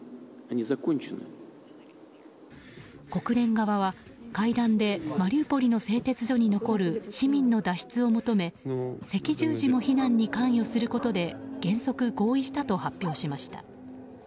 国連側は会談でマリウポリの製鉄所に残る市民の脱出を求め赤十字も避難に関与することで原則合意したと発表しました。